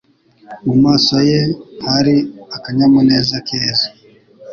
Mu maso ye hari akanyamuneza keza.